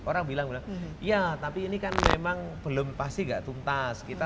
orang bilang iya tapi ini kan memang belum pasti gak tuntas